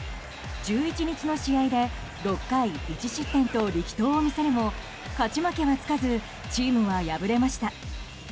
１１日の試合で６回１失点と力投を見せるも勝ち負けはつかずチームは敗れました。